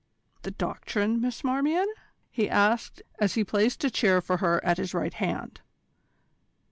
"The Doctrine, Miss Marmion?" he asked, as he placed a chair for her at his right hand.